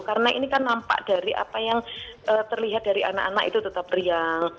karena ini kan nampak dari apa yang terlihat dari anak anak itu tetap riang